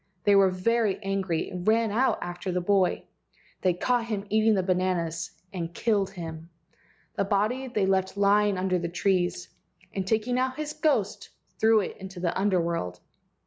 They were very angry, and ran out after the boy. They caught him eating the bananas, and killed him. The body they left lying under the trees, and taking out his ghost threw it into the Under world.